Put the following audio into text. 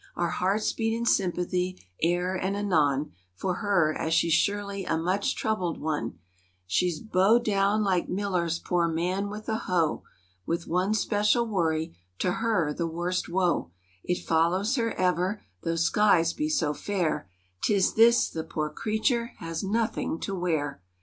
Our hearts beat in sympathy e'er and anon For her as she's surely a much troubled one; She's bowed down like Millet's poor "Man with the hoe," With one special worry—to her the worst woe— It follows her ever, though skies be so fair; 'Tis this: the poor creature has "Nothing to wear."